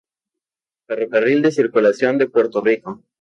Ferrocarril de Circunvalación de Puerto Rico